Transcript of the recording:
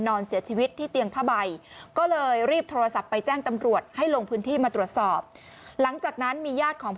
นอนเสียชีวิตที่เตียงพระไบ